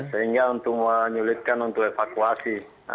sehingga untuk menyulitkan untuk evakuasi